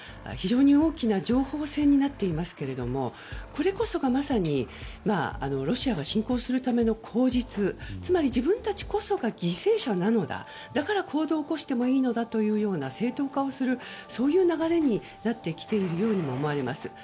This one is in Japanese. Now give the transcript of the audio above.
非常に大きな情報戦になっていますけどもこれこそがまさにロシアが侵攻するための口実つまり、自分たちこそが犠牲者なのだだから行動を起こしてもいいのだという正当化をするそういう流れになってるように思われます。